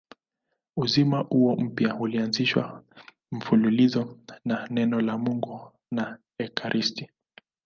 Uzima huo mpya unalishwa mfululizo na Neno la Mungu na ekaristi.